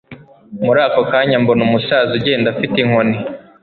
muri ako kanya mbona umusaza ugenda afite inkoni